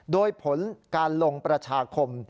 โดยผลการลงประชาคม